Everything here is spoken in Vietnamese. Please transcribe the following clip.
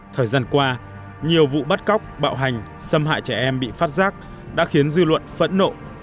thời gian qua nhiều vụ bắt cóc bạo hành xâm hại trẻ em bị phát giác đã khiến dư luận phẫn nộ